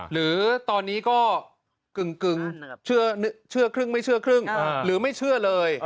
หรือตอนนี้ก็กึ่งเชื่อครึ่งไม่เชื่อครึ่งหรือไม่เชื่อเลย